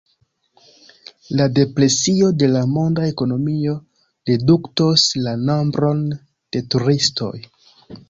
La depresio de la monda ekonomio reduktos la nombron de turistoj.